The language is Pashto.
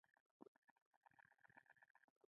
په ډیموکراټیکو بنسټونو کې هم بې عدالتي حاکمه وه.